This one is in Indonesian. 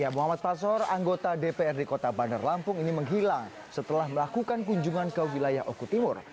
muhammad pasor anggota dprd kota bandar lampung ini menghilang setelah melakukan kunjungan ke wilayah oku timur